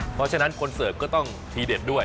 เพราะฉะนั้นคนเสิร์ฟก็ต้องทีเด็ดด้วย